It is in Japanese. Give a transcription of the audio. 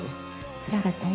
つらかったね。